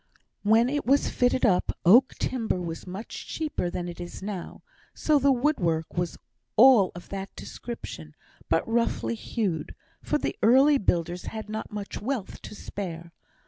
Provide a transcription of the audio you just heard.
When it was fitted up, oak timber was much cheaper than it is now, so the wood work was all of that description; but roughly hewed, for the early builders had not much wealth to spare.